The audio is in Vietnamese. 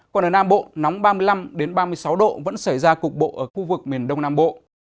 còn ở nam bộ nóng ba mươi năm ba mươi sáu độ vẫn xảy ra cục bộ ở khu vực miền đông nam bộ